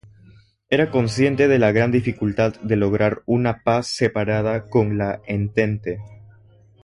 Era consciente de la gran dificultad de lograr una paz separada con la Entente.